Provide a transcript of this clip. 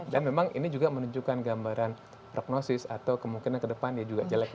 dan memang ini juga menunjukkan gambaran prognosis atau kemungkinan ke depan dia juga jelek